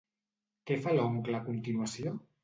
Què fa l'oncle a continuació?